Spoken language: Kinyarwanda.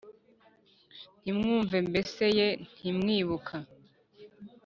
Ntimwumve mbese ye ntimwibuka